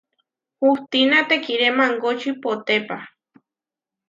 Hustína tekiré mangóči potepá.